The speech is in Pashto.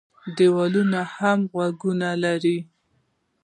ـ دېوالونو هم غوږونه لري.